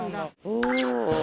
お。